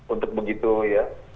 untuk begitu ya